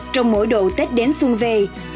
trong mỗi độ tết đến xuân về